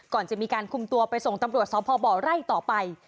ก่อนจะมีการคุมตัวไปส่งตำรวจสพบไร่ต่อไป